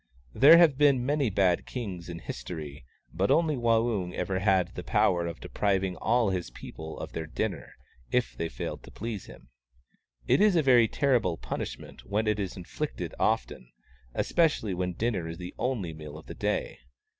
There have been many bad kings in history, but only Waung ever had the power of depriving all his people of their dinner, if they failed to please him. It is a very terrible punishment when it is inflicted often, especially when dinner is the only meal of the day.